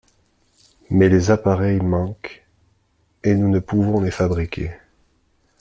Mais les appareils manquent, et nous ne pouvons les fabriquer.